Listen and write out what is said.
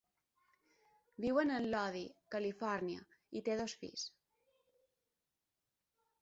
Viuen en Lodi, Califòrnia, i té dos fills.